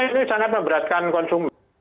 ini sangat memberatkan konsumen